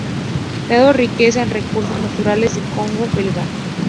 Dado riqueza en recursos naturales del Congo belga.